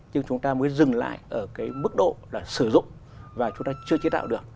nhưng chúng ta mới dừng lại ở mức độ sử dụng và chúng ta chưa chế tạo được